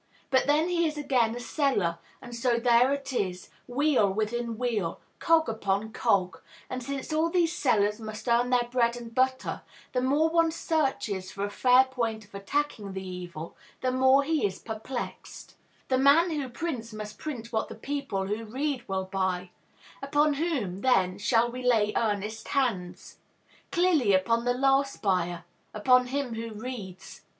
But then he is again a seller; and so there it is, wheel within wheel, cog upon cog. And, since all these sellers must earn their bread and butter, the more one searches for a fair point of attacking the evil, the more he is perplexed. The man who writes must, if he needs pay for his work, write what the man who prints will buy. The man who prints must print what the people who read will buy. Upon whom, then, shall we lay earnest hands? Clearly, upon the last buyer, upon him who reads.